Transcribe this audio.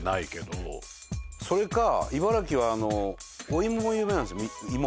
それか茨城はお芋が有名なんですよ芋。